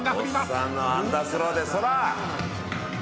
おっさんのアンダースローでそら！